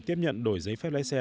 tiếp nhận đổi giấy phép lái xe